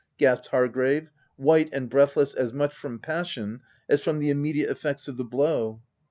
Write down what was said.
gasped Hargrave, white and breathless as much from passion as from the immediate effects of the blow.